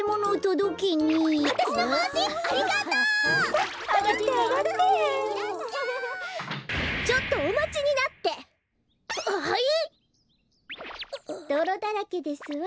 どろだらけですわ。